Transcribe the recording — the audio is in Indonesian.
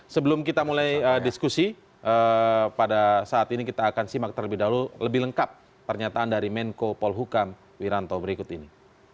sebelum kita mulai diskusi pada saat ini kita akan simak terlebih dahulu lebih lengkap pernyataan dari menko polhukam wiranto berikut ini